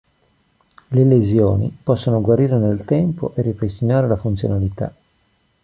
Le lesioni possono guarire nel tempo e ripristinare la funzionalità.